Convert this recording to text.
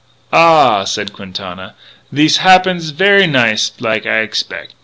"Ah h," said Quintana, "thees has happen ver' nice like I expec'....